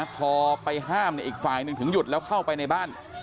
พอไปห้ามอีกฝ่ายหนึ่งถึงหยุดแล้วเข้าไปในบ้าน